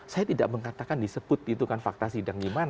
saya tidak mengatakan disebut itu kan fakta sidang gimana